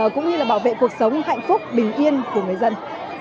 cũng như là bảo vệ cuộc sống hạnh phúc bình yên của người dân